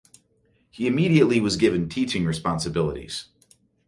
He immediately was given teaching responsibilities.